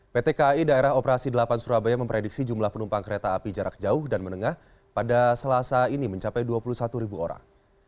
pt kai daerah operasi delapan surabaya memprediksi jumlah penumpang kereta api jarak jauh dan menengah pada selasa ini mencapai dua puluh satu ribu orang